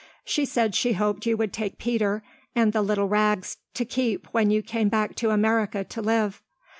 She said she hoped you would take Peter and the little Rags to keep when you came back to America to live.